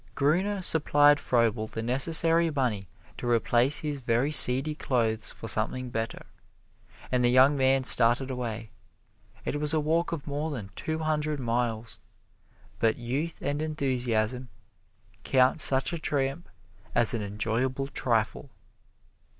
Gruner supplied Froebel the necessary money to replace his very seedy clothes for something better, and the young man started away. It was a walk of more than two hundred miles, but youth and enthusiasm count such a tramp as an enjoyable trifle.